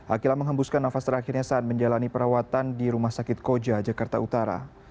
akilah menghembuskan nafas terakhirnya saat menjalani perawatan di rumah sakit koja jakarta utara